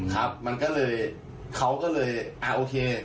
ครับมันก็เลยเขาก็เลยอ่าโอเค